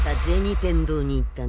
天堂に行ったね？